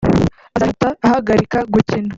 azahita ahagarika gukina